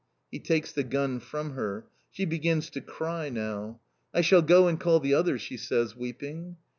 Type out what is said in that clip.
_" He takes the gun from her! She begins to cry now. "I shall go and call the others," she says, weeping.